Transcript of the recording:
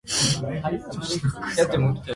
新宿三丁目駅